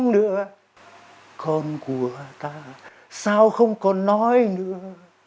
nữa con của ta sao không còn nói nữa